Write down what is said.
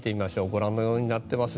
ご覧のようになっています。